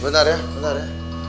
bentar ya bentar ya